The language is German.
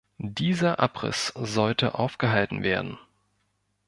Dieser Abriss sollte aufgehalten werden.